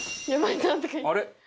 あれ？